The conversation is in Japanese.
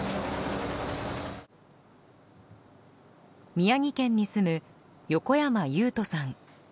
宮城県に住む横山由宇人さん。